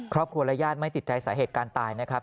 ครอบครัวและญาติไม่ติดใจสาเหตุการณ์ตายนะครับ